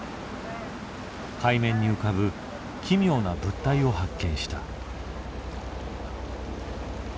海面に浮かぶ奇妙な物体を発見した。